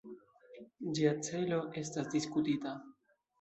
Ĝia celo estas diskutita.